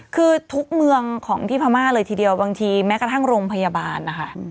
คือทุกเมืองของที่พม่าเลยทีเดียวบางทีแม้กระทั่งโรงพยาบาลนะคะ